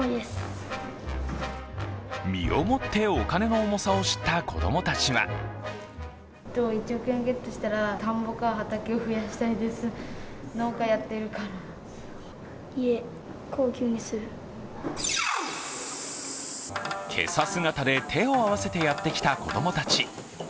身をもってお金の重さを知った子供たちはけさ姿で手を合わせてやってきた子供たち。